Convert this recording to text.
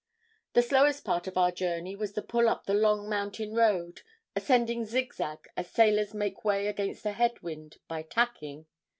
The slowest part of our journey was the pull up the long mountain road, ascending zig zag, as sailors make way against a head wind, by tacking.